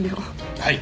はい